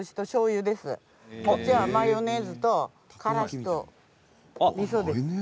その隣はマヨネーズとからしとみそです。